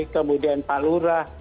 kemudian pak lurah